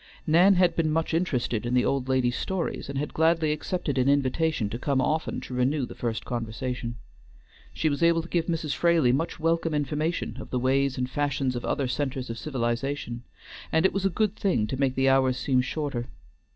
Nan had been much interested in the old lady's stories, and had gladly accepted an invitation to come often to renew the first conversation. She was able to give Mrs. Fraley much welcome information of the ways and fashions of other centres of civilization, and it was a good thing to make the hours seem shorter.